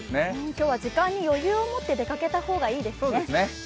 今日は時間に余裕を持って出かけた方がいいですね。